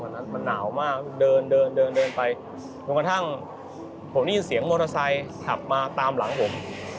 นั้นมันหนาวมากเดินเดินเดินไปจนกระทั่งผมได้ยินเสียงมอเตอร์ไซค์ขับมาตามหลังผม